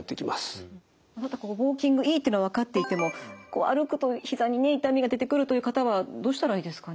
ウォーキングいいっていうのは分かっていても歩くとひざにね痛みが出てくるという方はどうしたらいいですかね。